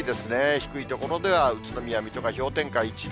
低い所では宇都宮、水戸が氷点下１度。